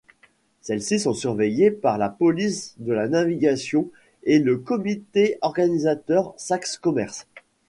Celles-ci sont surveillées par la police de la navigation et le comité organisateur Sax-Commerce.